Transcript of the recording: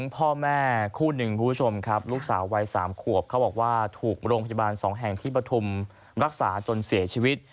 พ่อแม่คู่หนึ่งคุณผู้ชมครับลูกสาววัย๓ขวบเขาบอกว่าถูกโรงพยาบาล๒แห่งที่ปฐุมรักษาจนเสียชีวิต